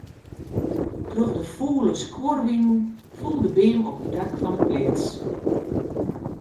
Troch de fûle skuorwinen foel de beam op it dak fan 'e pleats.